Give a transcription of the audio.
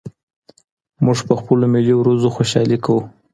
موږ په خپلو ملي ورځو خوشالي کوو.